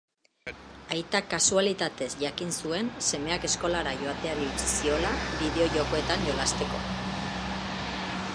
Aitak kasualitatez jakin zuen semeak eskolara joateari utzi ziola bideo-jokoetan jolasteko.